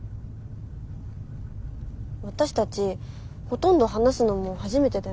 私たちほとんど話すのも初めてだよね？